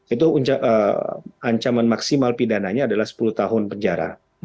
itu ancaman maksimal pidananya adalah sepuluh tahun penjara